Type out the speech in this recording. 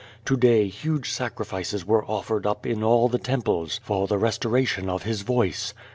To day huge sacrifices were offered up in all the tern jiles for the restoration of his voice.